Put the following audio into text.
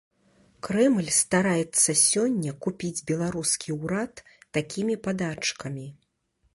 Крэмль стараецца сёння купіць беларускі ўрад такімі падачкамі.